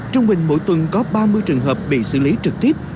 trung bình mỗi tuần có ba mươi trường hợp bị xử lý trực tiếp